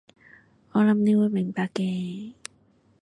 我諗你會明白嘅